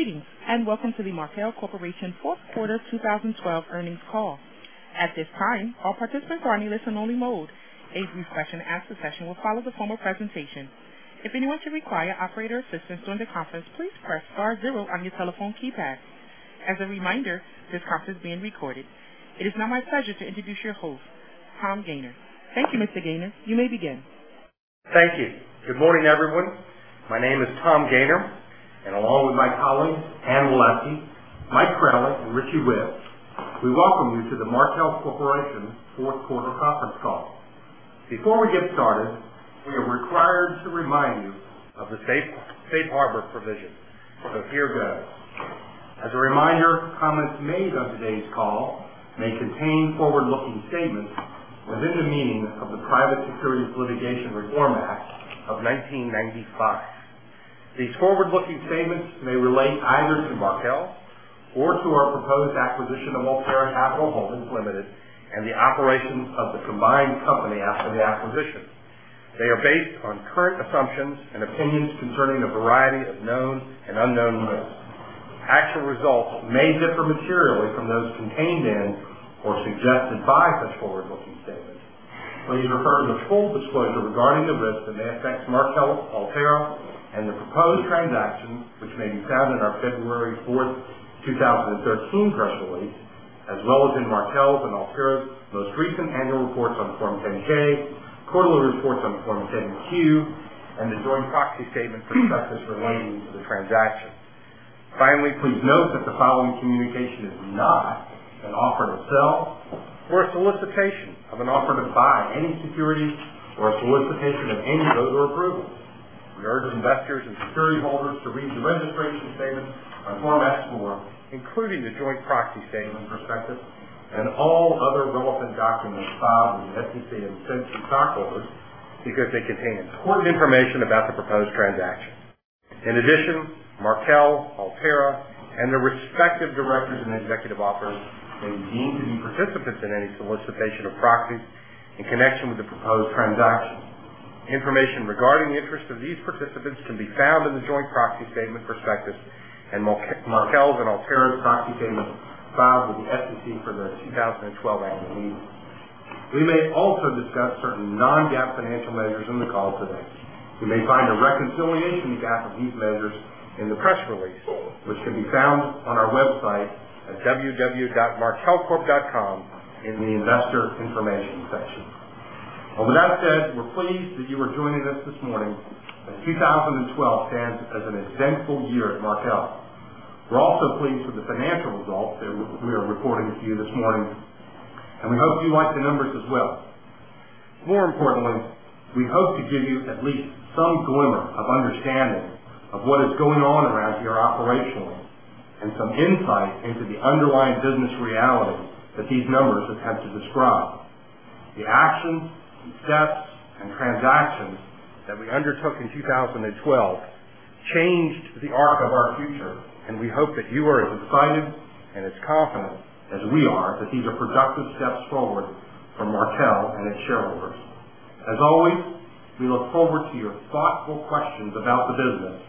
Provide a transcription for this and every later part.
Greetings, welcome to the Markel Corporation fourth quarter 2012 earnings call. At this time, all participants are in listen only mode. A question and answer session will follow the formal presentation. If anyone should require operator assistance during the conference, please press star zero on your telephone keypad. As a reminder, this call is being recorded. It is now my pleasure to introduce your host, Tom Gayner. Thank you, Mr. Gayner. You may begin. Thank you. Good morning, everyone. My name is Tom Gayner, along with my colleagues, Anne Weleski, Mike Crowley, and Richie Whitt, we welcome you to the Markel Corporation fourth quarter conference call. Before we get started, we are required to remind you of the safe harbor provision. Here goes. As a reminder, comments made on today's call may contain forward-looking statements within the meaning of the Private Securities Litigation Reform Act of 1995. These forward-looking statements may relate either to Markel or to our proposed acquisition of Alterra Capital Holdings Limited and the operations of the combined company after the acquisition. They are based on current assumptions and opinions concerning a variety of known and unknown risks. Actual results may differ materially from those contained in or suggested by such forward-looking statements. Please refer to the full disclosure regarding the risks that may affect Markel, Alterra, and the proposed transaction, which may be found in our February 4, 2013 press release, as well as in Markel's and Alterra's most recent annual reports on Form 10-K, quarterly reports on Form 10-Q, and the joint proxy statement / prospectus relating to the transaction. Finally, please note that the following communication is not an offer to sell or a solicitation of an offer to buy any securities or a solicitation of any vote or approval. We urge investors and security holders to read the registration statement on Form S-4, including the joint proxy statement / prospectus and all other relevant documents filed with the SEC and sent to stockholders because they contain important information about the proposed transaction. In addition, Markel, Alterra, and their respective directors and executive officers may be deemed to be participants in any solicitation of proxies in connection with the proposed transaction. Information regarding the interest of these participants can be found in the joint proxy statement / prospectus and Markel's and Alterra's proxy statements filed with the SEC for the 2012 annual meeting. We may also discuss certain non-GAAP financial measures on the call today. You may find a reconciliation GAAP of these measures in the press release, which can be found on our website at www.markelcorp.com in the investor information section. With that said, we're pleased that you are joining us this morning, as 2012 stands as an eventful year at Markel. We're also pleased with the financial results that we are reporting to you this morning, and we hope you like the numbers as well. More importantly, we hope to give you at least some glimmer of understanding of what is going on around here operationally and some insight into the underlying business reality that these numbers attempt to describe. The actions, steps, and transactions that we undertook in 2012 changed the arc of our future, and we hope that you are as excited and as confident as we are that these are productive steps forward for Markel and its shareholders. As always, we look forward to your thoughtful questions about the business.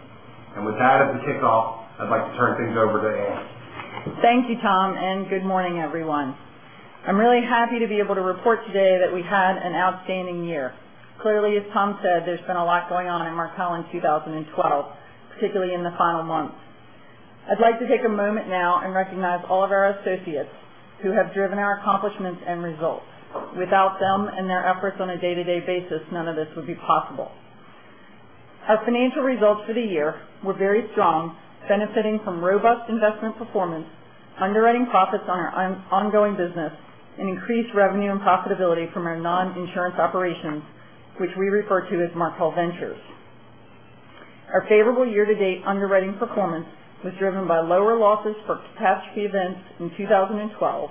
With that as the kickoff, I'd like to turn things over to Anne. Thank you, Tom, and good morning, everyone. I'm really happy to be able to report today that we had an outstanding year. Clearly, as Tom said, there's been a lot going on in Markel in 2012, particularly in the final months. I'd like to take a moment now and recognize all of our associates who have driven our accomplishments and results. Without them and their efforts on a day-to-day basis, none of this would be possible. Our financial results for the year were very strong, benefiting from robust investment performance, underwriting profits on our ongoing business, and increased revenue and profitability from our non-insurance operations, which we refer to as Markel Ventures. Our favorable year-to-date underwriting performance was driven by lower losses for catastrophe events in 2012,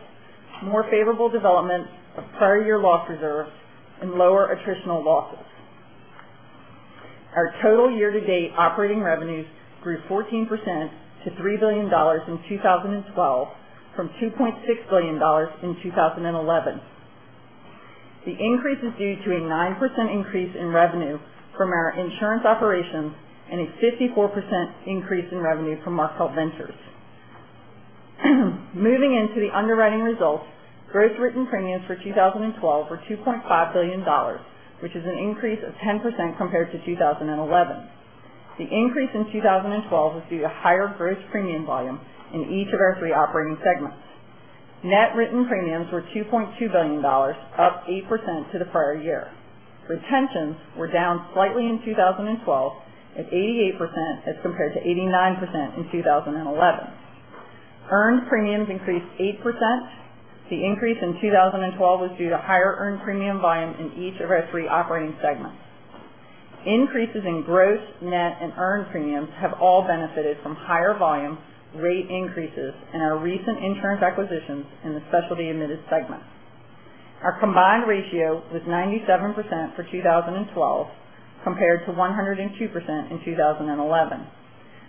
more favorable development of prior year loss reserves, and lower attritional losses. Our total year-to-date operating revenues grew 14% to $3 billion in 2012 from $2.6 billion in 2011. The increase is due to a 9% increase in revenue from our insurance operations and a 54% increase in revenue from Markel Ventures. Moving into the underwriting results, gross written premiums for 2012 were $2.5 billion, which is an increase of 10% compared to 2011. The increase in 2012 was due to higher gross premium volume in each of our 3 operating segments. Net written premiums were $2.2 billion, up 8% to the prior year. Retentions were down slightly in 2012 at 88% as compared to 89% in 2011. Earned premiums increased 8%. The increase in 2012 was due to higher earned premium volume in each of our 3 operating segments. Increases in gross, net, and earned premiums have all benefited from higher volume rate increases and our recent insurance acquisitions in the specialty admitted segment. Our combined ratio was 97% for 2012, compared to 102% in 2011.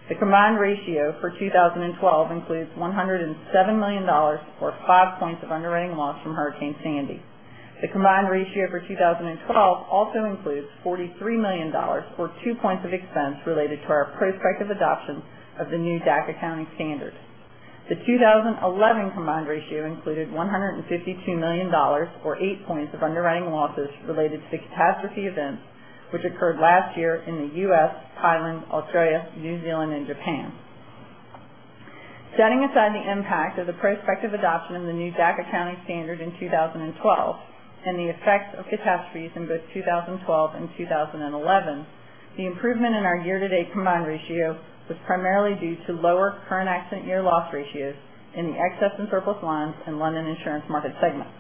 The combined ratio for 2012 includes $107 million or 5 points of underwriting loss from Hurricane Sandy. The combined ratio for 2012 also includes $43 million, or 2 points of expense related to our prospective adoption of the new GAAP accounting standard. The 2011 combined ratio included $152 million, or 8 points of underwriting losses related to the catastrophe events, which occurred last year in the U.S., Thailand, Australia, New Zealand, and Japan. Setting aside the impact of the prospective adoption of the new GAAP accounting standard in 2012 and the effects of catastrophes in both 2012 and 2011, the improvement in our year-to-date combined ratio was primarily due to lower current accident year loss ratios in the excess and surplus lines in London insurance market segments.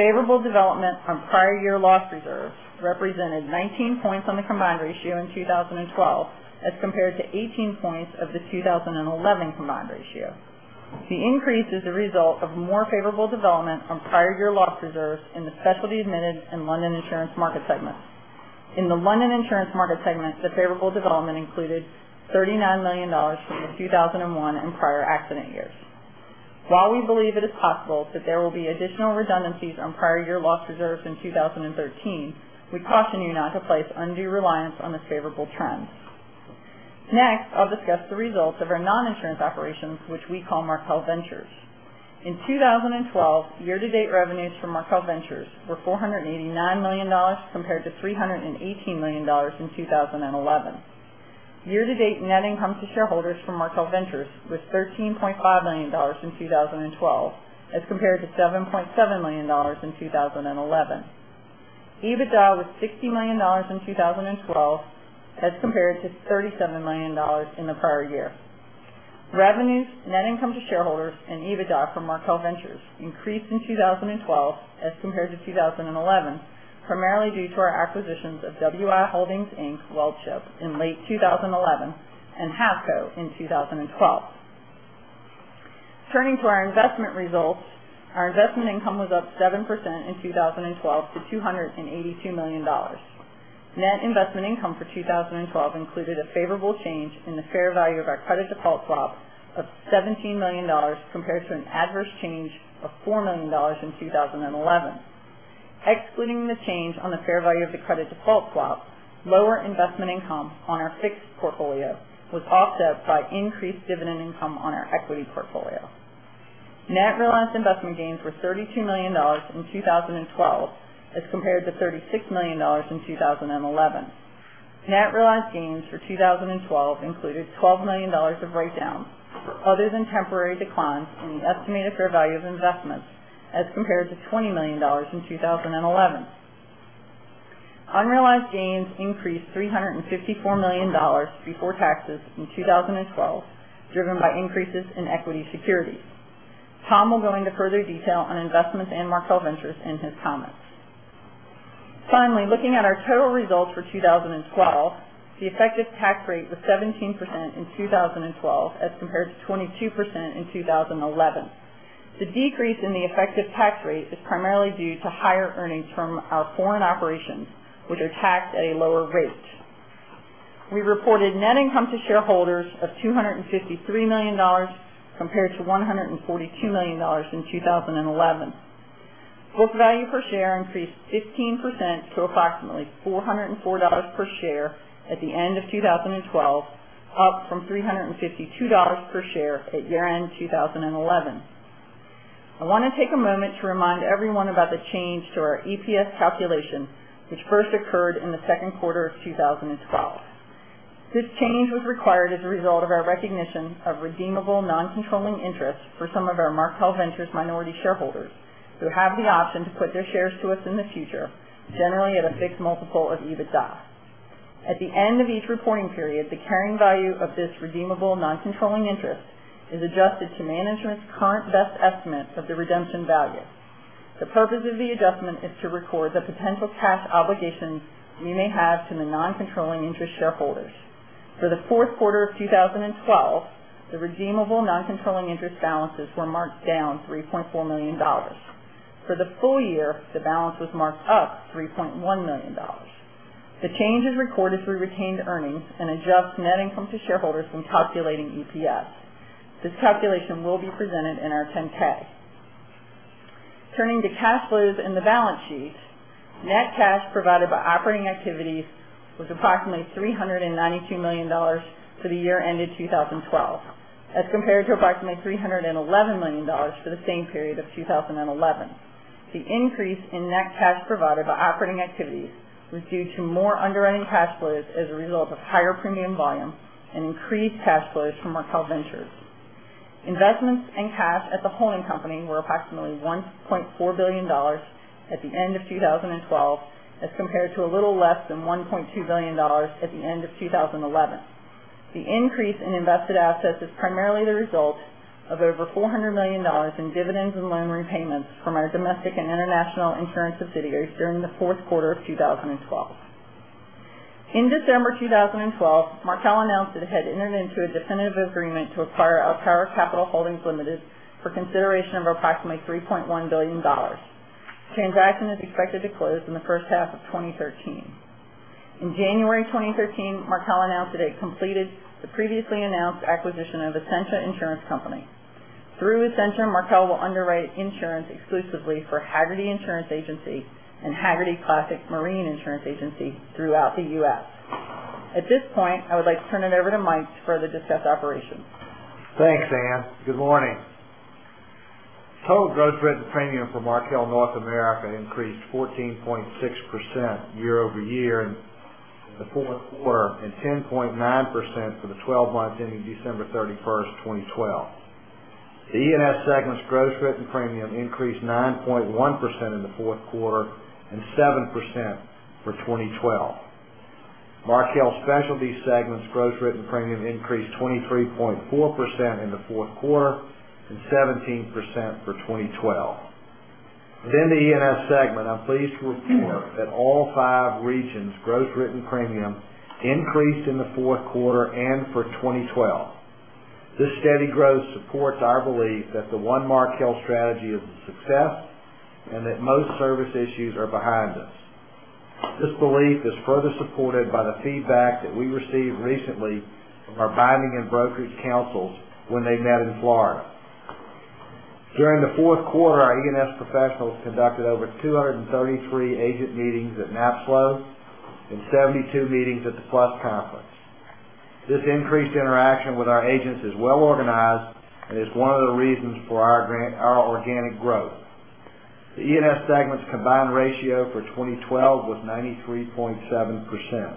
Favorable development from prior year loss reserves represented 19 points on the combined ratio in 2012 as compared to 18 points of the 2011 combined ratio. The increase is a result of more favorable development from prior year loss reserves in the specialty admitted and London insurance market segments. In the London insurance market segment, the favorable development included $39 million from the 2001 and prior accident years. While we believe it is possible that there will be additional redundancies on prior year loss reserves in 2013, we caution you not to place undue reliance on this favorable trend. Next, I'll discuss the results of our non-insurance operations, which we call Markel Ventures. In 2012, year-to-date revenues from Markel Ventures were $489 million compared to $318 million in 2011. Year-to-date net income to shareholders from Markel Ventures was $13.5 million in 2012 as compared to $7.7 million in 2011. EBITDA was $60 million in 2012 as compared to $37 million in the prior year. The revenues, net income to shareholders, and EBITDA from Markel Ventures increased in 2012 as compared to 2011, primarily due to our acquisitions of WI Holdings Inc., WorldRisk in late 2011 and Havco in 2012. Turning to our investment results, our investment income was up 7% in 2012 to $282 million. Net investment income for 2012 included a favorable change in the fair value of our credit default swap of $17 million compared to an adverse change of $4 million in 2011. Excluding the change on the fair value of the credit default swap, lower investment income on our fixed portfolio was offset by increased dividend income on our equity portfolio. Net realized investment gains were $32 million in 2012 as compared to $36 million in 2011. Net realized gains for 2012 included $12 million of write-downs, other than temporary declines in the estimated fair value of investments as compared to $20 million in 2011. Unrealized gains increased $354 million before taxes in 2012, driven by increases in equity securities. Tom will go into further detail on investments in Markel Ventures in his comments. Finally, looking at our total results for 2012, the effective tax rate was 17% in 2012 as compared to 22% in 2011. The decrease in the effective tax rate is primarily due to higher earnings from our foreign operations, which are taxed at a lower rate. We reported net income to shareholders of $253 million compared to $142 million in 2011. Book value per share increased 15% to approximately $404 per share at the end of 2012, up from $352 per share at year-end 2011. I want to take a moment to remind everyone about the change to our EPS calculation, which first occurred in the second quarter of 2012. This change was required as a result of our recognition of redeemable non-controlling interest for some of our Markel Ventures minority shareholders who have the option to put their shares to us in the future, generally at a fixed multiple of EBITDA. At the end of each reporting period, the carrying value of this redeemable non-controlling interest is adjusted to management's current best estimate of the redemption value. The purpose of the adjustment is to record the potential cash obligations we may have to the non-controlling interest shareholders. For the fourth quarter of 2012, the redeemable non-controlling interest balances were marked down $3.4 million. For the full year, the balance was marked up $3.1 million. The change is recorded through retained earnings and adjusts net income to shareholders when calculating EPS. This calculation will be presented in our 10-K. Turning to cash flows and the balance sheet, net cash provided by operating activities was approximately $392 million for the year ended 2012 as compared to approximately $311 million for the same period of 2011. The increase in net cash provided by operating activities was due to more underwriting cash flows as a result of higher premium volume and increased cash flows from Markel Ventures. Investments in cash at the holding company were approximately $1.4 billion at the end of 2012 as compared to a little less than $1.2 billion at the end of 2011. The increase in invested assets is primarily the result of over $400 million in dividends and loan repayments from our domestic and international insurance subsidiaries during the fourth quarter of 2012. In December 2012, Markel announced it had entered into a definitive agreement to acquire Alterra Capital Holdings Limited for consideration of approximately $3.1 billion. The transaction is expected to close in the first half of 2013. January 2013, Markel announced that it completed the previously announced acquisition of Essentia Insurance Company. Through Essentia, Markel will underwrite insurance exclusively for Hagerty Insurance Agency and Hagerty Classic Marine Insurance Agency throughout the U.S. At this point, I would like to turn it over to Mike to further discuss operations. Thanks, Anne. Good morning. Total gross written premium for Markel North America increased 14.6% year-over-year in the fourth quarter and 10.9% for the 12 months ending December 31st, 2012. The E&S segment's gross written premium increased 9.1% in the fourth quarter and 7% for 2012. Markel Specialty segment's gross written premium increased 23.4% in the fourth quarter and 17% for 2012. Within the E&S segment, I'm pleased to report that all five regions' gross written premium increased in the fourth quarter and for 2012. This steady growth supports our belief that the One Markel strategy is a success and that most service issues are behind us. This belief is further supported by the feedback that we received recently from our binding and brokerage councils when they met in Florida. During the fourth quarter, our E&S professionals conducted over 233 agent meetings at NAPSLO and 72 meetings at the PLUS Conference. This increased interaction with our agents is well organized and is one of the reasons for our organic growth. The E&S segment's combined ratio for 2012 was 93.7%.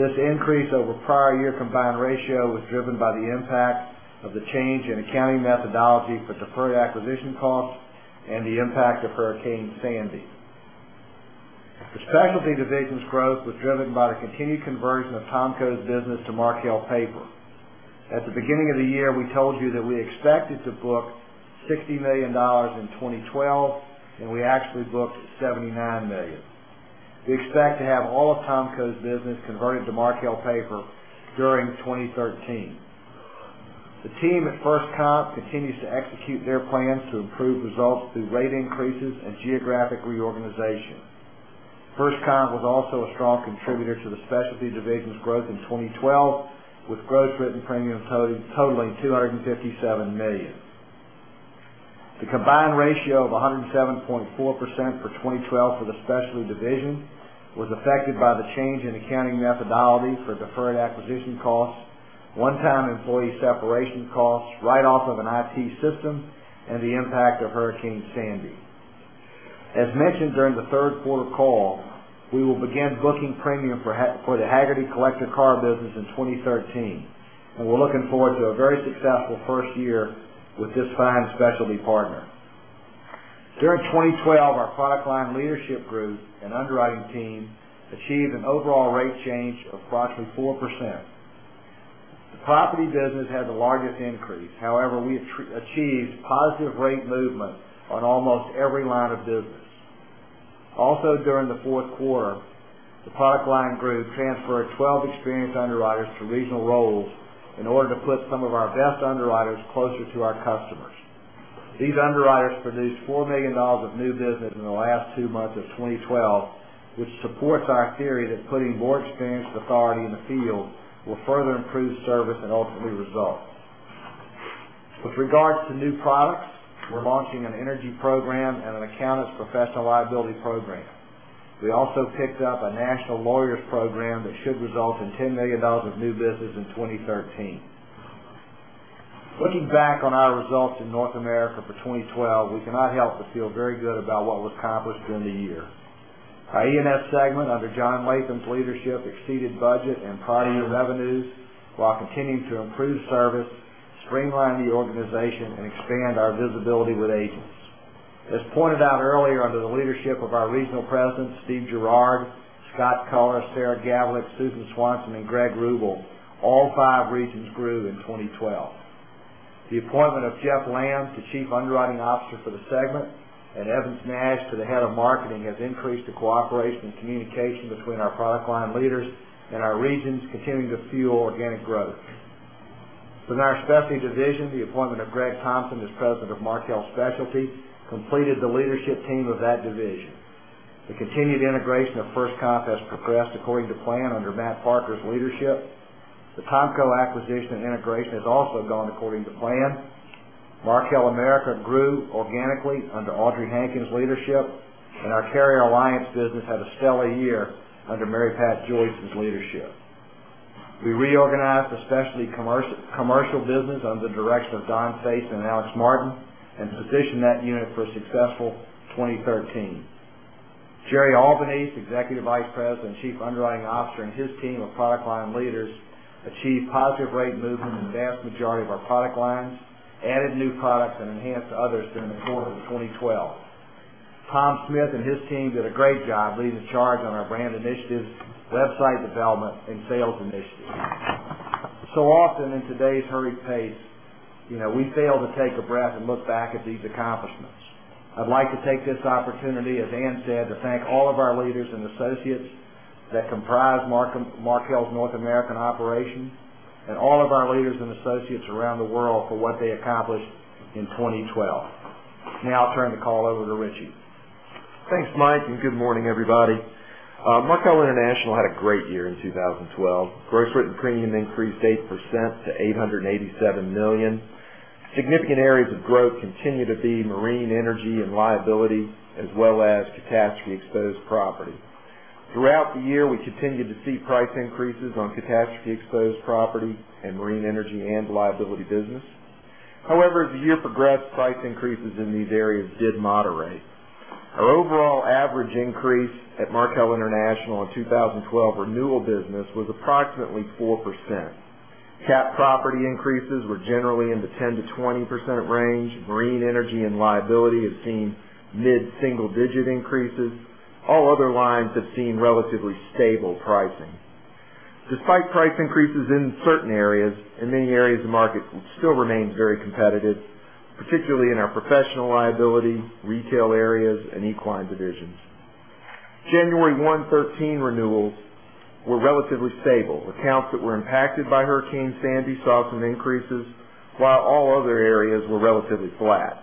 This increase over prior year combined ratio was driven by the impact of the change in accounting methodology for deferred acquisition costs and the impact of Hurricane Sandy. The specialty division's growth was driven by the continued conversion of THOMCO's business to Markel paper. At the beginning of the year, we told you that we expected to book $60 million in 2012, and we actually booked $79 million. We expect to have all of THOMCO's business converted to Markel paper during 2013. The team at FirstComp continues to execute their plans to improve results through rate increases and geographic reorganization. FirstComp was also a strong contributor to the specialty division's growth in 2012, with gross written premiums totaling $257 million. The combined ratio of 107.4% for 2012 for the specialty division was affected by the change in accounting methodology for deferred acquisition costs, one-time employee separation costs, write-off of an IT system, and the impact of Hurricane Sandy. As mentioned during the third quarter call, we will begin booking premium for the Hagerty collector car business in 2013, and we're looking forward to a very successful first year with this fine specialty partner. During 2012, our product line leadership group and underwriting team achieved an overall rate change of approximately 4%. The property business had the largest increase. We achieved positive rate movement on almost every line of business. During the fourth quarter, the product line group transferred 12 experienced underwriters to regional roles in order to put some of our best underwriters closer to our customers. These underwriters produced $4 million of new business in the last two months of 2012, which supports our theory that putting more experienced authority in the field will further improve service and ultimately results. With regards to new products, we're launching an energy program and an accountants professional liability program. We also picked up a national lawyers program that should result in $10 million of new business in 2013. Looking back on our results in North America for 2012, we cannot help but feel very good about what was accomplished during the year. Our E&S segment under John Latham's leadership exceeded budget and prior year revenues while continuing to improve service, streamline the organization, and expand our visibility with agents. As pointed out earlier, under the leadership of our regional presidents, Steve Gerrard, Scott Culler, Sarah Gavlick, Susan Swanson, and Greg Rubel, all five regions grew in 2012. The appointment of Jeff Lamb as the Chief Underwriting Officer for the segment and Evans Nash to the head of marketing has increased the cooperation and communication between our product line leaders and our regions continuing to fuel organic growth. Within our specialty division, the appointment of Greg Thompson as President of Markel Specialty completed the leadership team of that division. The continued integration of FirstComp has progressed according to plan under Matt Parker's leadership. The THOMCO acquisition and integration has also gone according to plan. Markel American grew organically under Audrey Hanken's leadership, and our carrier alliance business had a stellar year under Mary Pat Joyce's leadership. We reorganized the specialty commercial business under the direction of Don Fais and Alex Martin and positioned that unit for a successful 2013. Gerry Albanese, executive vice president, chief underwriting officer, and his team of product line leaders achieved positive rate movement in the vast majority of our product lines, added new products, and enhanced others during the course of 2012. Tom Smith and his team did a great job leading the charge on our brand initiatives, website development, and sales initiatives. Often in today's hurried pace, we fail to take a breath and look back at these accomplishments. I'd like to take this opportunity, as Anne said, to thank all of our leaders and associates that comprise Markel's North American operations and all of our leaders and associates around the world for what they accomplished in 2012. I'll turn the call over to Richie. Thanks, Mike. Good morning, everybody. Markel International had a great year in 2012. Gross written premium increased 8% to $887 million. Significant areas of growth continue to be marine energy and liability, as well as catastrophe-exposed property. Throughout the year, we continued to see price increases on catastrophe-exposed property and marine energy and liability business. However, as the year progressed, price increases in these areas did moderate. Our overall average increase at Markel International in 2012 renewal business was approximately 4%. Cat property increases were generally in the 10%-20% range. Marine energy and liability have seen mid-single-digit increases. All other lines have seen relatively stable pricing. Despite price increases in certain areas, in many areas, the market still remains very competitive, particularly in our professional liability, retail areas, and equine divisions. January 1, 2013 renewals were relatively stable. Accounts that were impacted by Hurricane Sandy saw some increases, while all other areas were relatively flat.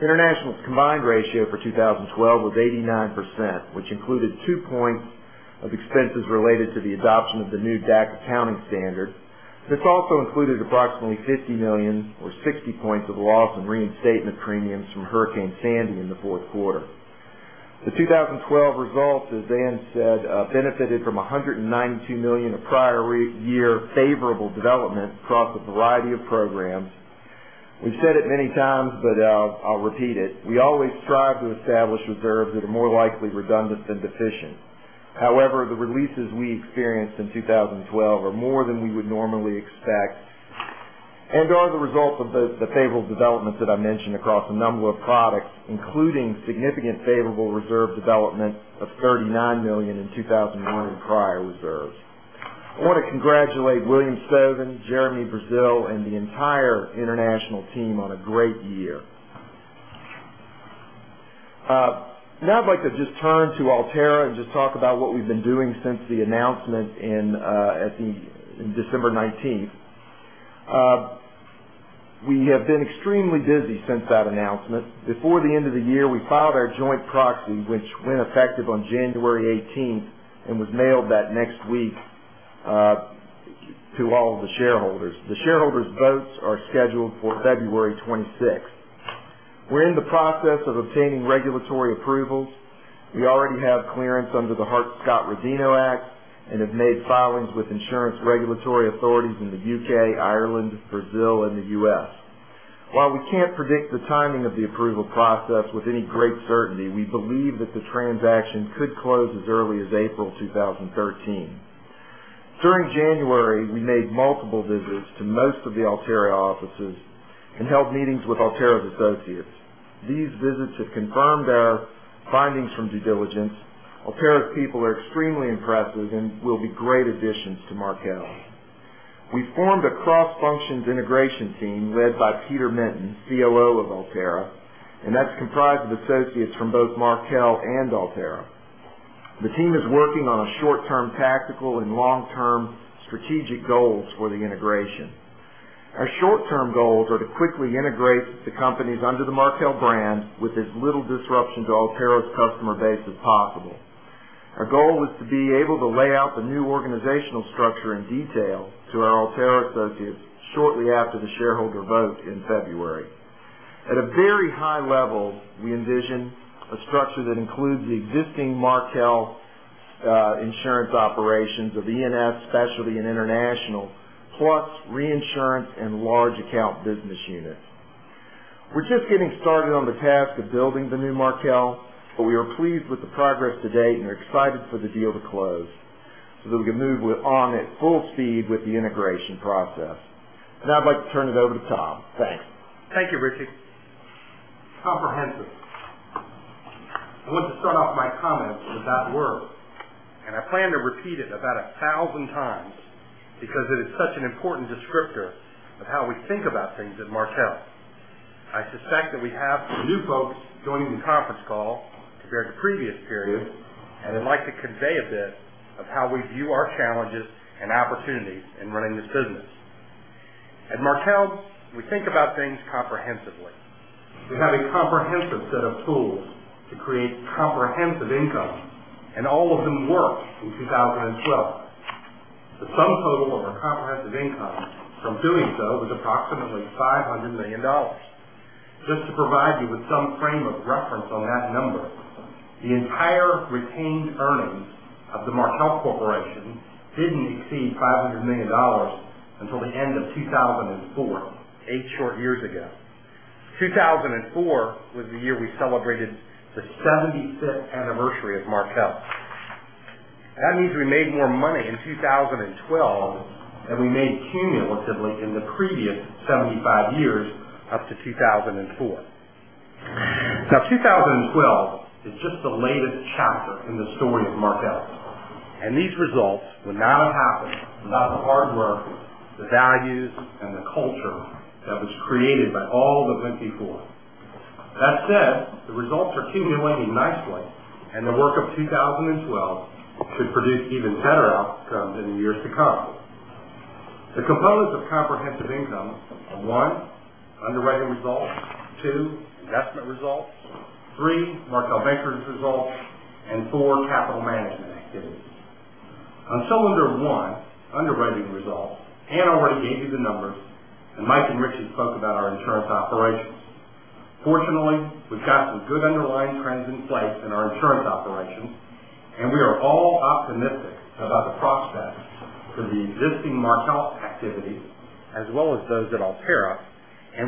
International's combined ratio for 2012 was 89%, which included 2 points of expenses related to the adoption of the new DAC accounting standard. This also included approximately $50 million or 60 points of loss in reinstatement premiums from Hurricane Sandy in the fourth quarter. The 2012 results, as Mike said, benefited from $192 million of prior year favorable development across a variety of programs. We've said it many times. I'll repeat it. We always strive to establish reserves that are more likely redundant than deficient. However, the releases we experienced in 2012 are more than we would normally expect and are the result of the favorable developments that I mentioned across a number of products, including significant favorable reserve development of $39 million in 2001 in prior reserves. I want to congratulate William Stovin, Jeremy Brazil, and the entire international team on a great year. I'd like to just turn to Alterra and just talk about what we've been doing since the announcement in December 19th. We have been extremely busy since that announcement. Before the end of the year, we filed our joint proxy, which went effective on January 18th and was mailed that next week to all of the shareholders. The shareholders' votes are scheduled for February 26th. We're in the process of obtaining regulatory approvals. We already have clearance under the Hart-Scott-Rodino Act and have made filings with insurance regulatory authorities in the U.K., Ireland, Brazil, and the U.S. While we can't predict the timing of the approval process with any great certainty, we believe that the transaction could close as early as April 2013. During January, we made multiple visits to most of the Alterra offices and held meetings with Alterra's associates. These visits have confirmed our findings from due diligence. Alterra's people are extremely impressive and will be great additions to Markel. We formed a cross-functions integration team led by Peter Minton, COO of Alterra, and that's comprised of associates from both Markel and Alterra. The team is working on short-term tactical and long-term strategic goals for the integration. Our short-term goals are to quickly integrate the companies under the Markel brand with as little disruption to Alterra's customer base as possible. Our goal is to be able to lay out the new organizational structure in detail to our Alterra associates shortly after the shareholder vote in February. At a very high level, we envision a structure that includes the existing Markel insurance operations of the E&S Specialty and International, plus reinsurance and large account business unit. We're just getting started on the task of building the new Markel, we are pleased with the progress to date and are excited for the deal to close that we can move on at full speed with the integration process. Now I'd like to turn it over to Tom. Thanks. Thank you, Richie. Comprehensive. I want to start off my comments with that word, I plan to repeat it about 1,000 times because it is such an important descriptor of how we think about things at Markel. I suspect that we have some new folks joining the conference call compared to previous periods, I'd like to convey a bit of how we view our challenges and opportunities in running this business. At Markel, we think about things comprehensively. We have a comprehensive set of tools to create comprehensive income, all of them worked in 2012. The sum total of our comprehensive income from doing so was approximately $500 million. Just to provide you with some frame of reference on that number, the entire retained earnings of the Markel Corporation didn't exceed $500 million until the end of 2004, eight short years ago. 2004 was the year we celebrated the 75th anniversary of Markel. That means we made more money in 2012 than we made cumulatively in the previous 75 years up to 2004. 2012 is just the latest chapter in the story of Markel, these results would not have happened without the hard work, the values, and the culture that was created by all those went before. That said, the results are accumulating nicely, the work of 2012 should produce even better outcomes in the years to come. The components of comprehensive income are one, underwriting results, two, investment results, three, Markel Ventures results, four, capital management activities. On cylinder 1, underwriting results, Anne already gave you the numbers, Mike and Richie spoke about our insurance operations. Fortunately, we've got some good underlying trends in place in our insurance operations, we are all optimistic about the prospects for the existing Markel activities as well as those at Alterra,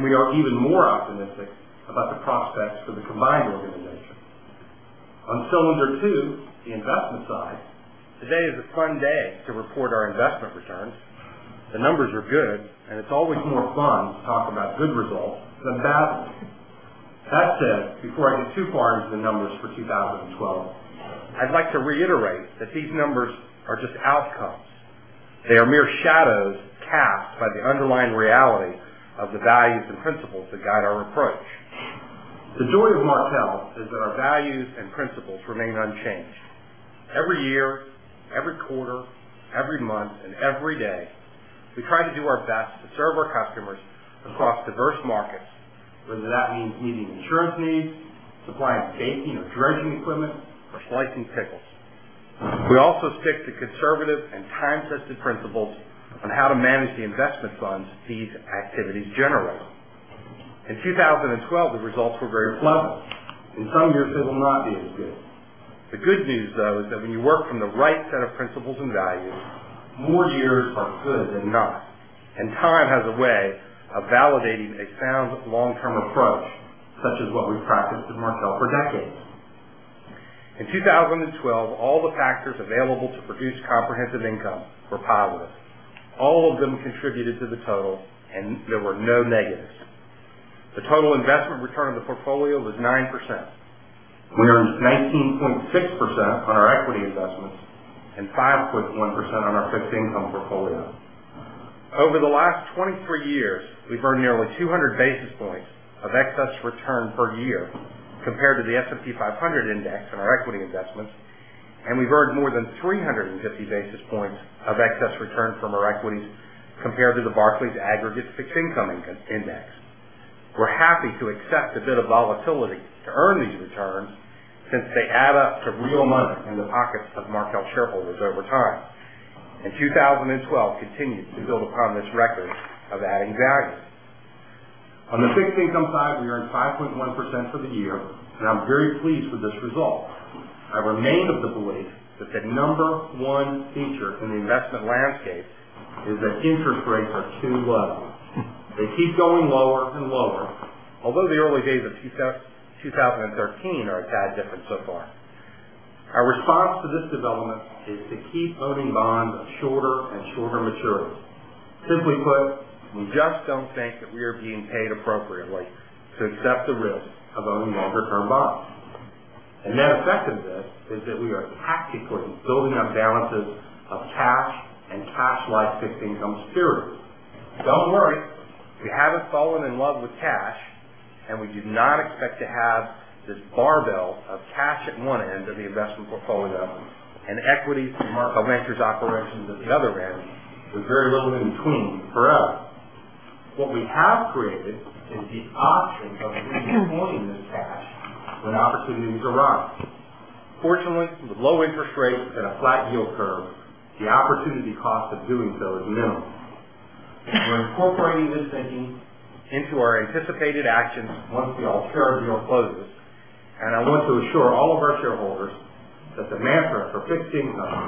we are even more optimistic about the prospects for the combined organization. On cylinder 2, the investment side, today is a fun day to report our investment returns. The numbers are good, it's always more fun to talk about good results than bad ones. That said, before I get too far into the numbers for 2012, I'd like to reiterate that these numbers are just outcomes. They are mere shadows cast by the underlying reality of the values and principles that guide our approach. The joy of Markel is that our values and principles remain unchanged. Every year, every quarter, every month, every day, we try to do our best to serve our customers across diverse markets, whether that means meeting insurance needs, supplying baking or dredging equipment, or slicing pickles. We also stick to conservative and time-tested principles on how to manage the investment funds these activities generate. In 2012, the results were very favorable. In some years, they will not be as good. The good news, though, is that when you work from the right set of principles and values, more years are good than not, time has a way of validating a sound long-term approach, such as what we've practiced at Markel for decades. In 2012, all the factors available to produce comprehensive income were positive. All of them contributed to the total, there were no negatives. The total investment return of the portfolio was 9%. We earned 19.6% on our equity investments and 5.1% on our fixed income portfolio. Over the last 23 years, we've earned nearly 200 basis points of excess return per year compared to the S&P 500 index on our equity investments, we've earned more than 350 basis points of excess return from our equities compared to the Barclays Aggregate Bond Index. We're happy to accept a bit of volatility to earn these returns since they add up to real money in the pockets of Markel shareholders over time. 2012 continued to build upon this record of adding value. On the fixed income side, we earned 5.1% for the year. I'm very pleased with this result. I remain of the belief that the number 1 feature in the investment landscape is that interest rates are too low. They keep going lower and lower, although the early days of 2013 are a tad different so far. Our response to this development is to keep owning bonds of shorter and shorter maturities. Simply put, we just don't think that we are being paid appropriately to accept the risk of owning longer-term bonds. A net effect of this is that we are tactically building up balances of cash and cash-like fixed income securities. Don't worry, we haven't fallen in love with cash. We do not expect to have this barbell of cash at 1 end of the investment portfolio and equity through Markel Ventures operations at the other end, with very little in between, forever. What we have created is the option of redeploying this cash when opportunities arise. Fortunately, with low interest rates and a flat yield curve, the opportunity cost of doing so is minimal. We're incorporating this thinking into our anticipated actions once the Alterra deal closes. I want to assure all of our shareholders that the mantra for fixed income,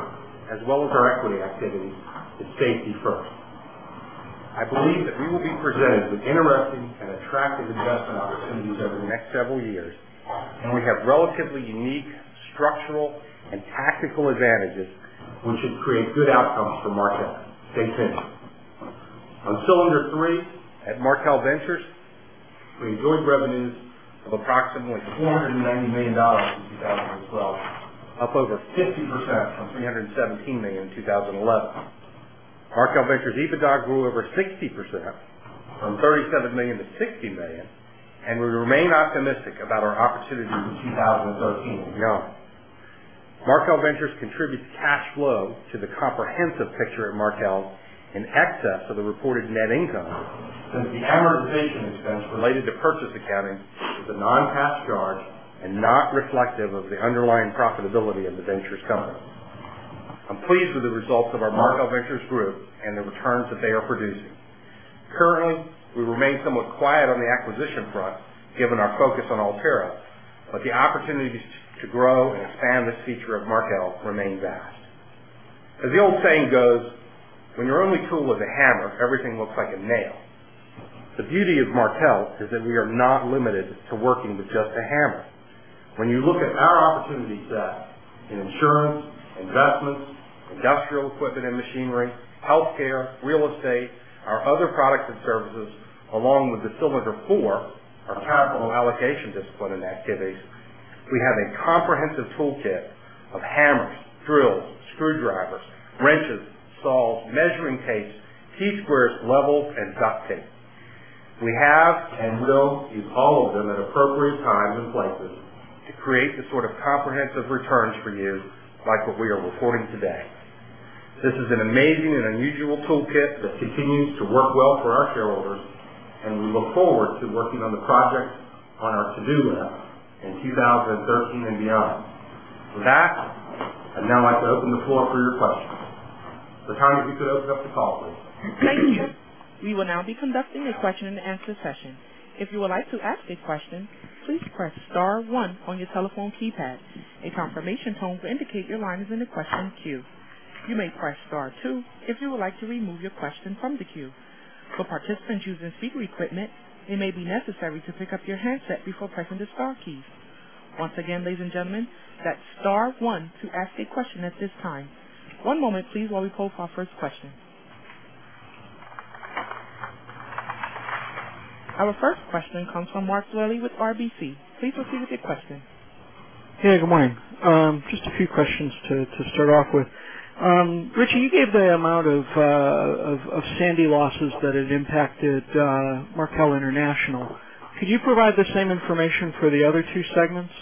as well as our equity activity, is safety first. I believe that we will be presented with interesting and attractive investment opportunities over the next several years. We have relatively unique structural and tactical advantages which should create good outcomes for Markel. Stay tuned. On cylinder 3, at Markel Ventures, we enjoyed revenues of approximately $490 million in 2012, up over 50% from $317 million in 2011. Markel Ventures EBITDA grew over 60%, from $37 million to $60 million. We remain optimistic about our opportunities in 2013 and beyond. Markel Ventures contributes cash flow to the comprehensive picture at Markel in excess of the reported net income since the amortization expense related to purchase accounting is a non-cash charge and not reflective of the underlying profitability of the ventures company. I'm pleased with the results of our Markel Ventures Group and the returns that they are producing. Currently, we remain somewhat quiet on the acquisition front given our focus on Alterra. The opportunities to grow and expand this feature of Markel remain vast. As the old saying goes, when your only tool is a hammer, everything looks like a nail. The beauty of Markel is that we are not limited to working with just a hammer. When you look at our opportunity set in insurance, investments, industrial equipment and machinery, healthcare, real estate, our other products and services, along with the cylinder 4, our capital allocation discipline and activities, we have a comprehensive toolkit of hammers, drills, screwdrivers, wrenches, saws, measuring tapes, T-squares, levels, and duct tape. We have and will use all of them at appropriate times and places to create the sort of comprehensive returns for you, like what we are reporting today. This is an amazing and unusual toolkit that continues to work well for our shareholders, and we look forward to working on the projects on our to-do list in 2013 and beyond. I'd now like to open the floor for your questions. LaToya, if you could open up the call, please. Thank you. We will now be conducting your question and answer session. If you would like to ask a question, please press star one on your telephone keypad. A confirmation tone to indicate your line is in the question queue. You may press star two if you would like to remove your question from the queue. For participants using speaker equipment, it may be necessary to pick up your handset before pressing the star keys. Once again, ladies and gentlemen, that's star one to ask a question at this time. One moment, please, while we poll for our first question. Our first question comes from Mark Hughes with RBC. Please proceed with your question. Hey, good morning. Just a few questions to start off with. Richie, you gave the amount of Hurricane Sandy losses that had impacted Markel International. Could you provide the same information for the other two segments?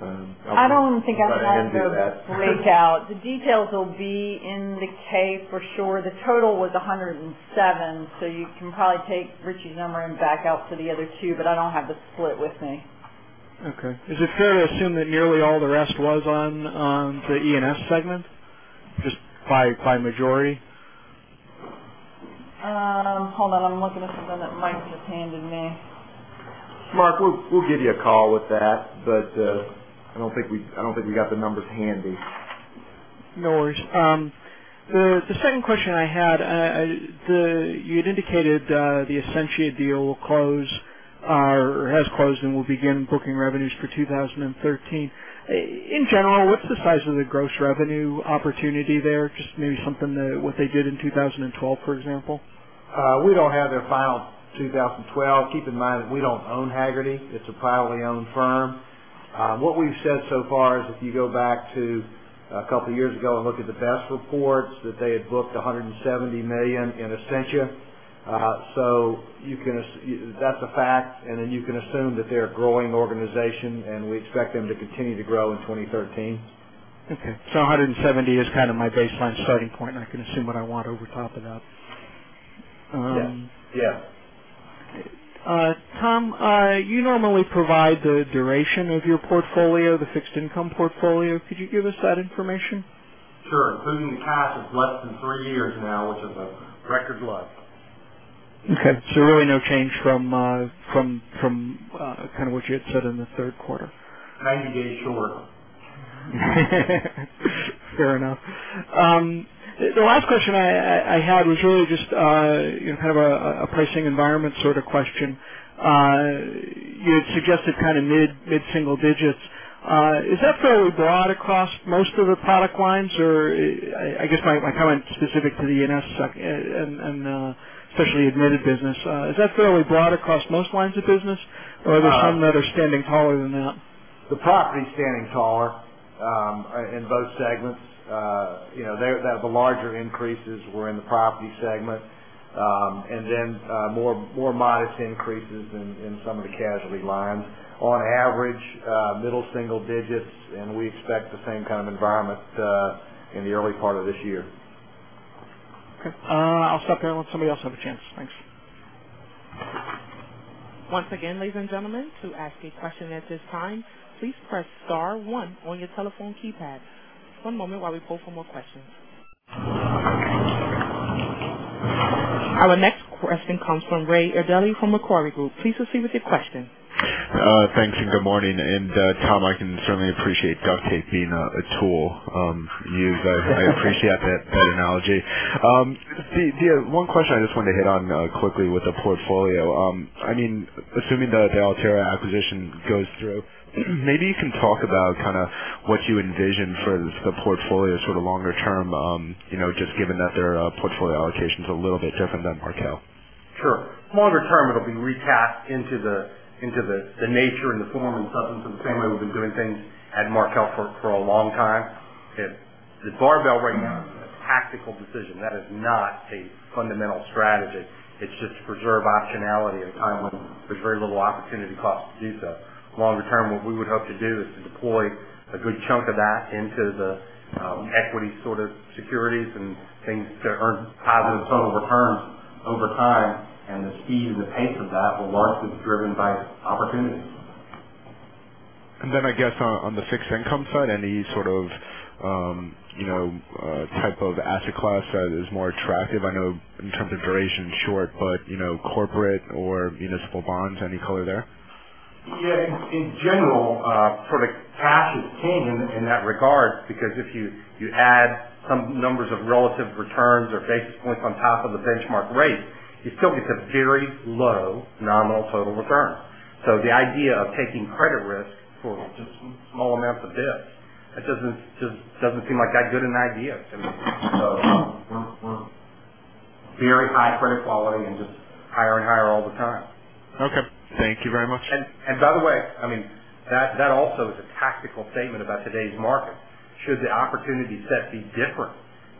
I'll let Anne do that. I don't think I have the breakout. The details will be in the K for sure. The total was 107, so you can probably take Richie's number and back out to the other two, but I don't have the split with me. Okay. Is it fair to assume that nearly all the rest was on the E&S segment? Just by majority? Hold on. I'm looking at something that Mike just handed me. Mark, we'll give you a call with that, I don't think we got the numbers handy. No worries. The second question I had, you had indicated the Essentia deal will close or has closed and will begin booking revenues for 2013. In general, what's the size of the gross revenue opportunity there? Just maybe something to what they did in 2012, for example. We don't have their final 2012. Keep in mind that we don't own Hagerty. It's a privately owned firm. What we've said so far is if you go back to a couple of years ago and look at the best reports, that they had booked $170 million in Essentia. That's a fact, you can assume that they're a growing organization, and we expect them to continue to grow in 2013. Okay. $170 is kind of my baseline starting point, I can assume what I want over top of that. Yes. Tom, you normally provide the duration of your portfolio, the fixed income portfolio. Could you give us that information? Sure. Including the cash, it's less than three years now, which is a record low. Okay. Really no change from kind of what you had said in the third quarter. 90 days shorter. Fair enough. The last question I had was really just kind of a pricing environment sort of question. You had suggested kind of mid-single digits. Is that fairly broad across most of the product lines, or I guess my comment specific to the E&S and especially admitted business. Is that fairly broad across most lines of business, or are there some that are standing taller than that? The property is standing taller in both segments. The larger increases were in the property segment. Then more modest increases in some of the casualty lines. On average, middle single digits, we expect the same kind of environment in the early part of this year. Okay. I'll stop there, let somebody else have a chance. Thanks. Once again, ladies and gentlemen, to ask a question at this time, please press star 1 on your telephone keypad. One moment while we poll for more questions. Our next question comes from Ray Erdelyi from Macquarie Group. Please proceed with your question. Thanks, good morning. Tom, I can certainly appreciate duct tape being a tool used. I appreciate that analogy. The one question I just wanted to hit on quickly with the portfolio. Assuming the Alterra acquisition goes through, maybe you can talk about kind of what you envision for the portfolio sort of longer term, just given that their portfolio allocation is a little bit different than Markel. Sure. Longer term, it'll be recast into the nature and the form and substance of the same way we've been doing things at Markel for a long time. The barbell right now is a tactical decision. That is not a fundamental strategy. It's just to preserve optionality at a time when there's very little opportunity cost to do so. Longer term, what we would hope to do is to deploy a good chunk of that into the equity sort of securities and things that earn positive total returns over time, and the speed and the pace of that will largely be driven by opportunity. Then I guess on the fixed income side, any sort of type of asset class that is more attractive? I know in terms of duration short, but corporate or municipal bonds, any color there? In general, sort of cash is king in that regard because if you add some numbers of relative returns or basis points on top of the benchmark rate, you still get to very low nominal total returns. The idea of taking credit risk for just small amounts of debt, it just doesn't seem like that good an idea to me. Very high credit quality and just higher and higher all the time. Okay. Thank you very much. By the way, that also is a tactical statement about today's market. Should the opportunity set be different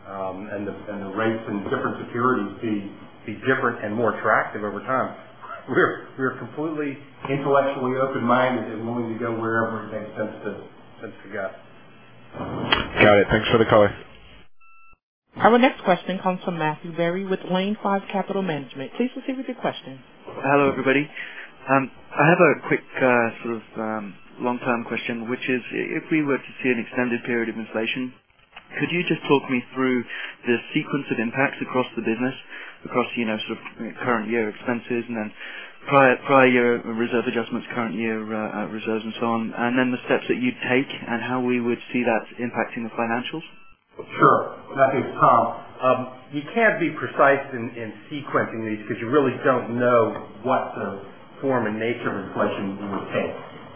and the rates and different securities be different and more attractive over time, we're completely intellectually open-minded and willing to go wherever it makes sense to go. Got it. Thanks for the color. Our next question comes from Matthew Berry with Lane Capital Management. Please proceed with your question. Hello, everybody. I have a quick sort of long-term question, which is, if we were to see an extended period of inflation, could you just talk me through the sequence of impacts across the business, across sort of current year expenses and then prior year reserve adjustments, current year reserves, and so on? Then the steps that you'd take and how we would see that impacting the financials? Sure. Matthew, Tom. You can't be precise in sequencing these because you really don't know what the form and nature of inflation we would take.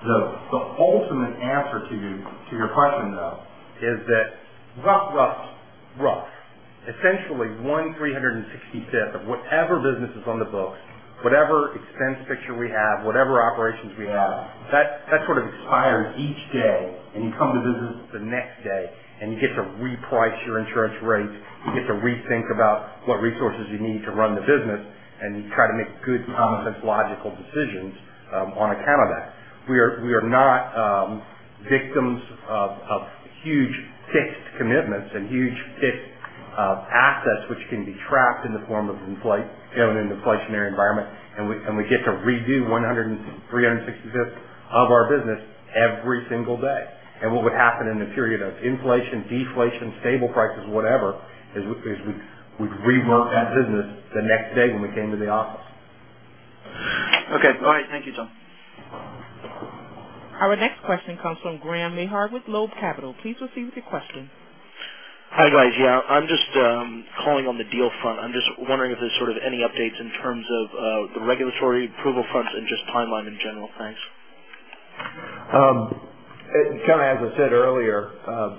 The ultimate answer to your question, though, is that rough, essentially one three hundred and sixty-fifth of whatever business is on the books, whatever expense picture we have, whatever operations we have, that sort of expires each day, and you come to business the next day, and you get to reprice your insurance rates. You get to rethink about what resources you need to run the business, and you try to make good, commonsense, logical decisions on account of that. We are not victims of huge fixed commitments and huge fixed assets, which can be trapped in the form of an inflationary environment. We get to redo one hundred and three hundred and sixty-fifth of our business every single day. What would happen in a period of inflation, deflation, stable prices, whatever, is we'd rework that business the next day when we came to the office. Okay. All right. Thank you, Tom. Our next question comes from Graham Mehard with Loeb Capital. Please proceed with your question. Hi, guys. Yeah, I'm just calling on the deal front. I'm just wondering if there's sort of any updates in terms of the regulatory approval front and just timeline in general. Thanks. Kind of as I said earlier,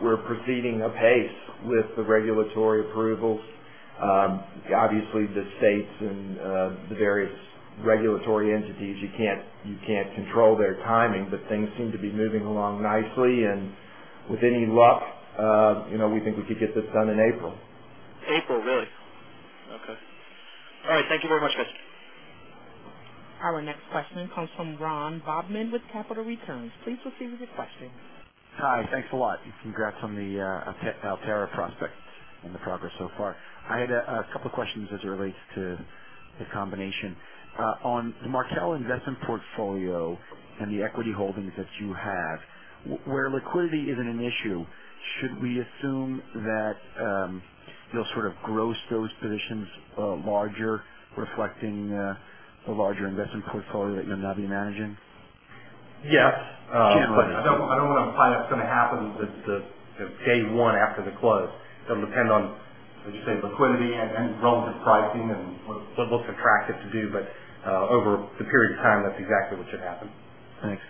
we're proceeding apace with the regulatory approvals. Obviously, the states and the various regulatory entities, you can't control their timing, but things seem to be moving along nicely, and with any luck, we think we could get this done in April. April, really? Okay. All right. Thank you very much, guys. Our next question comes from Ron Bobman with Capital Returns. Please proceed with your question. Hi, thanks a lot. Congrats on the Alterra prospect and the progress so far. I had a couple questions as it relates to the combination. On the Markel investment portfolio and the equity holdings that you have, where liquidity isn't an issue, should we assume that you'll sort of gross those positions larger, reflecting a larger investment portfolio that you'll now be managing? Yes. I don't want to imply that's going to happen the day one after the close. It'll depend on, as you say, liquidity and relative pricing and what looks attractive to do. Over the period of time, that's exactly what should happen. Thanks.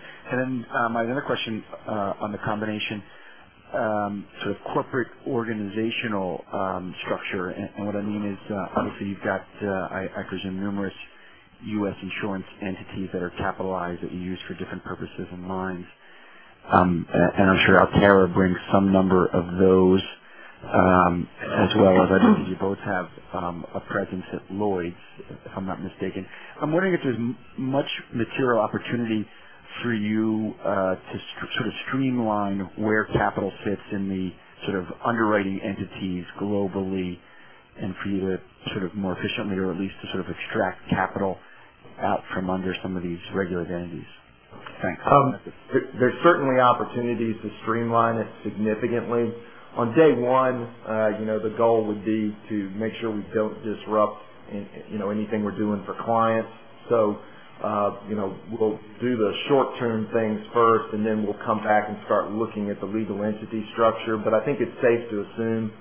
My other question on the combination, sort of corporate organizational structure. What I mean is, obviously, you've got, I presume, numerous U.S. insurance entities that are capitalized that you use for different purposes and lines. I'm sure Alterra brings some number of those as well as I think you both have a presence at Lloyd's, if I'm not mistaken. I'm wondering if there's much material opportunity for you to sort of streamline where capital fits in the sort of underwriting entities globally and for you to sort of more efficiently or at least to sort of extract capital out from under some of these regular entities. Thanks. There's certainly opportunities to streamline it significantly. On day one, the goal would be to make sure we don't disrupt anything we're doing for clients. We'll do the short-term things first, we'll come back and start looking at the legal entity structure. I think it's safe to assume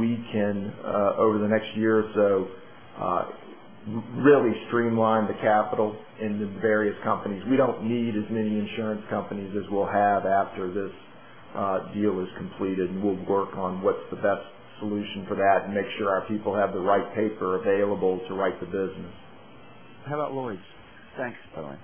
we can, over the next year or so, really streamline the capital in the various companies. We don't need as many insurance companies as we'll have after this deal is completed, and we'll work on what's the best solution for that and make sure our people have the right paper available to write the business. How about Lloyd's? Thanks, by the way.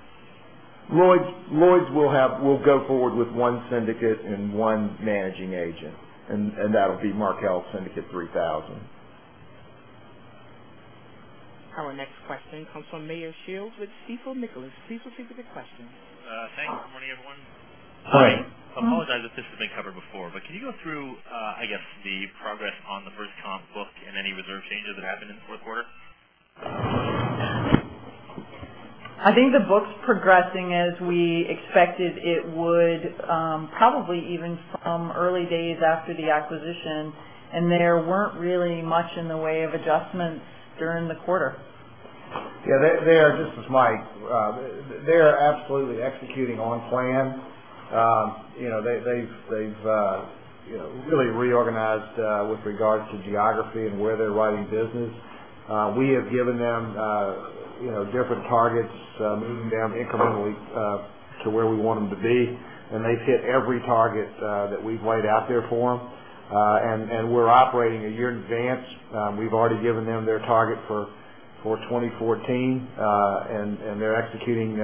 Lloyd's, we'll go forward with one syndicate and one managing agent, and that'll be Markel Syndicate 3000. Our next question comes from Meyer Shields with Stifel, Nicolaus. Please proceed with your question. Thanks. Good morning, everyone. Hi. I apologize if this has been covered before, but can you go through, I guess, the progress on the FirstComp book and any reserve changes that happened in the fourth quarter? I think the book's progressing as we expected it would, probably even from early days after the acquisition, and there weren't really much in the way of adjustments during the quarter. Yeah. This is Mike. They are absolutely executing on plan. They've really reorganized with regards to geography and where they're writing business. We have given them different targets, moving down incrementally to where we want them to be. They've hit every target that we've laid out there for them. We're operating a year in advance. We've already given them their target for 2014. They're executing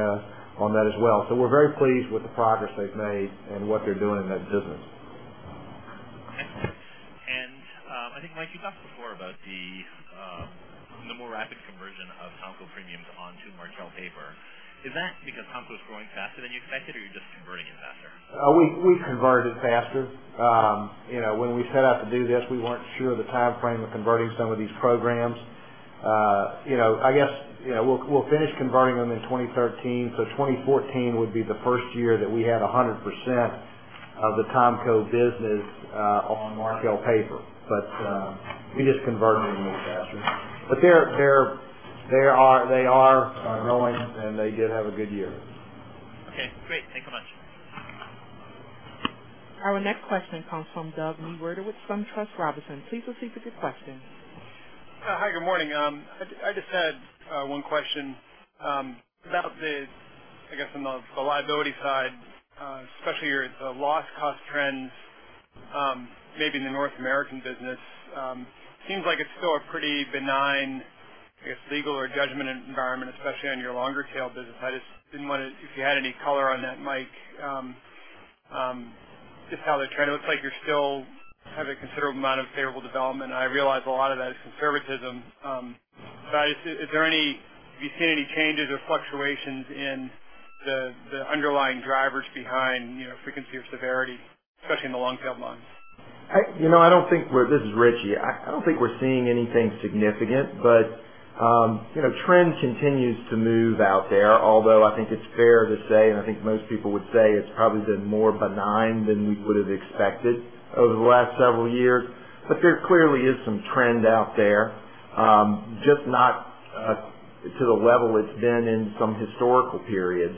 on that as well. We're very pleased with the progress they've made and what they're doing in that business. Okay. I think, Mike, you talked before about the more rapid conversion of THOMCO premiums onto Markel paper. Is that because THOMCO's growing faster than you expected, or you're just converting it faster? We've converted faster. When we set out to do this, we weren't sure of the timeframe of converting some of these programs. I guess, we'll finish converting them in 2013. 2014 would be the first year that we had 100% of the THOMCO business on Markel paper. We're just converting them faster. They are growing, and they did have a good year. Okay, great. Thanks so much. Our next question comes from Doug Mewhirter with SunTrust Robinson. Please proceed with your question. Hi, good morning. I just had one question about the, I guess, on the liability side, especially the loss cost trends, maybe in the North American business. Seems like it's still a pretty benign, I guess, legal or judgment environment, especially on your longer tail business. If you had any color on that, Mike, just how the trend looks like you're still have a considerable amount of favorable development, and I realize a lot of that is conservatism. Have you seen any changes or fluctuations in the underlying drivers behind frequency of severity, especially in the long tail lines? This is Richie. I don't think we're seeing anything significant, trend continues to move out there. Although I think it's fair to say, and I think most people would say, it's probably been more benign than we would've expected over the last several years. There clearly is some trend out there, just not to the level it's been in some historical periods.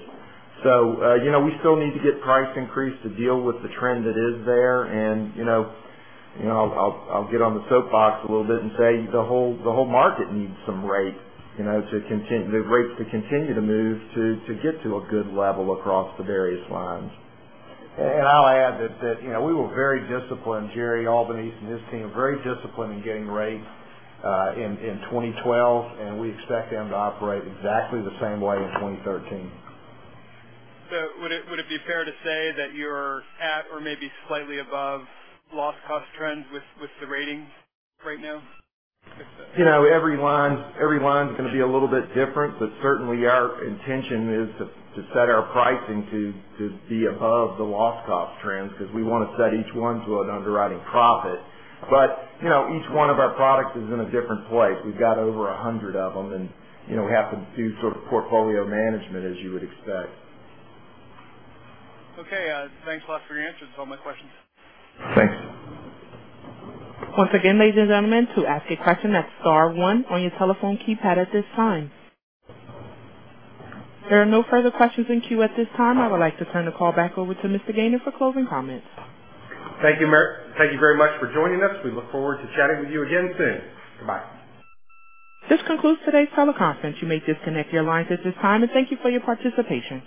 We still need to get price increase to deal with the trend that is there. I'll get on the soapbox a little bit and say the whole market needs the rates to continue to move to get to a good level across the various lines. I'll add that we were very disciplined, Gerry Albanese and his team, very disciplined in getting rates in 2012, and we expect them to operate exactly the same way in 2013. Would it be fair to say that you're at or maybe slightly above loss cost trends with the ratings right now? Every line's going to be a little bit different, certainly our intention is to set our pricing to be above the loss cost trends because we want to set each one to an underwriting profit. Each one of our products is in a different place. We've got over 100 of them, we have to do sort of portfolio management as you would expect. Okay, thanks a lot for your answers. All my questions. Thanks. Once again, ladies and gentlemen, to ask a question, that's star one on your telephone keypad at this time. There are no further questions in queue at this time. I would like to turn the call back over to Mr. Gayner for closing comments. Thank you very much for joining us. We look forward to chatting with you again soon. Goodbye. This concludes today's teleconference. You may disconnect your lines at this time, and thank you for your participation.